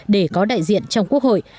để có đại diện trong quốc hội